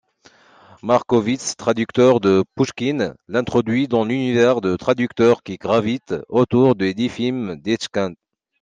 Markowicz, traducteur de Pouchkine, l’introduit dans l'univers des traducteurs qui gravitent autour d’Efim Etkind.